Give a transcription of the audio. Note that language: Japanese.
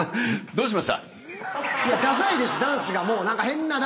どうしました？